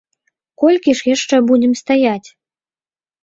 Колькі ж яшчэ будзем стаяць?